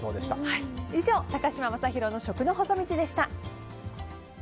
以上高嶋政宏の食の細道でした。